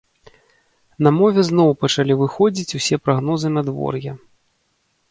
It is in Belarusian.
На мове зноў пачалі выходзіць усе прагнозы надвор'я.